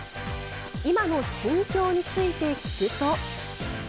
今の心境について聞くと。